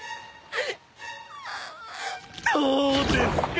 どうですか！？